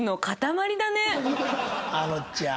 あのちゃん。